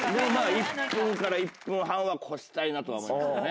１分から１分半は超したいなとは思いますね。